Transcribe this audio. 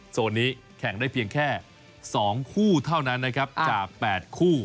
โซนนี้แข่งได้แค่๒คู่เท่านั้นจาก๘คู่